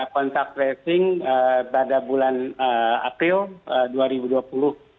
kontak tracing pada bulan april dua ribu dua puluh